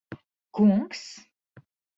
Kungs?